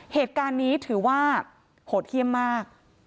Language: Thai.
เหตุการณ์นี้ถือว่าโหดเยี่ยมมาก